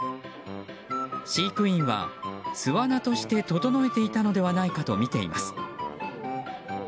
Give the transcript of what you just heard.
飼育員は、巣穴として整えていたのではないかとみています。